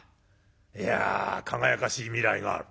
いや輝かしい未来がある。